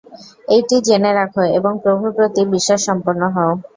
এইটি জেনে রাখ, এবং প্রভুর প্রতি বিশ্বাসসম্পন্ন হও।